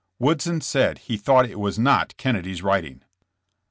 Woodson said he thought it was not Kennedy's writing.